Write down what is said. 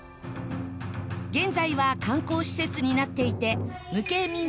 現在は観光施設になっていて無形民俗